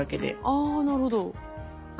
あなるほど。